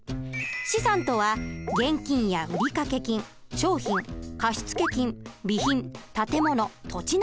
資産とは現金や売掛金商品貸付金備品建物土地などでした。